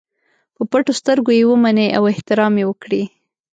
په پټو سترګو یې ومني او احترام یې وکړي.